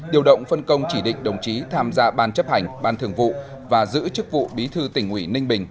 điều động phân công chỉ định đồng chí tham gia ban chấp hành ban thường vụ và giữ chức vụ bí thư tỉnh ủy ninh bình